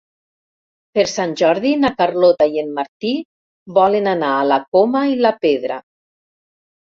Per Sant Jordi na Carlota i en Martí volen anar a la Coma i la Pedra.